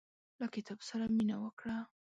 له کتاب سره مينه وکړه.